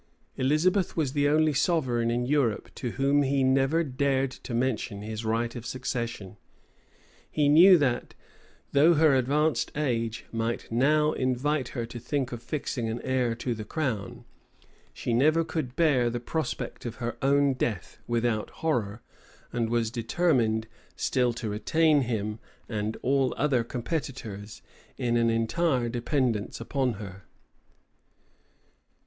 Elizabeth was the only sovereign in Europe to whom he never dared to mention his right of succession: he knew that, though her advanced age might now invite her to think of fixing an heir to the crown, she never could bear the prospect of her own death without horror, and was determined still to retain him, and all other competitors, in an entire dependence upon her.